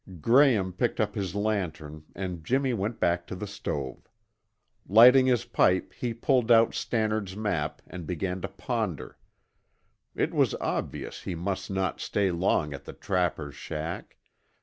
Graham picked up his lantern and Jimmy went back to the stove. Lighting his pipe, he pulled out Stannard's map and began to ponder. It was obvious he must not stay long at the trapper's shack.